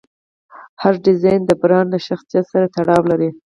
هر ډیزاین د برانډ له شخصیت سره تړاو لري.